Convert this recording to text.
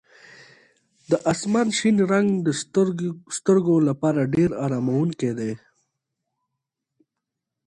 د اسمان شین رنګ د سترګو لپاره ډېر اراموونکی دی.